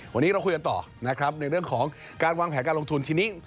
วันนี้เราคุยกันต่อนะครับในเรื่องของการวางแผนการลงทุนทีนี้